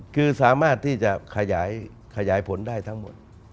คือสามารถที่จะขยายผลได้ทั้งหมด